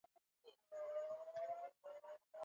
Tuanze limishana moya moya